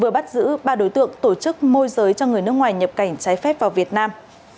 vừa bắt giữ ba đối tượng tổ chức môi giới cho người nước ngoài nhập cảnh trái phép vào việt nam